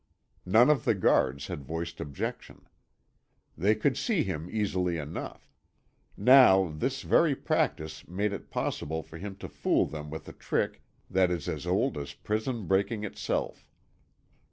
None of the guards had voiced objection. They could see him easily enough. Now, this very practice made it possible for him to fool them with a trick that is as old as prison breaking itself.